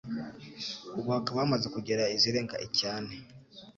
ubu hakaba hamaze kugera izirenga icyane.